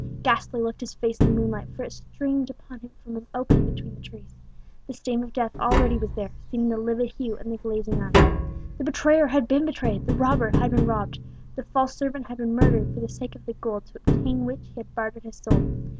Ghastly looked his face in the moonlight, which streamed upon it from an opening between the trees; the stamp of death already was there, seen in the livid hue and the glazing eye. The betrayer had been betrayed, the robber had been robbed, the false servant had been murdered for the sake of the gold to obtain which he had bartered his soul.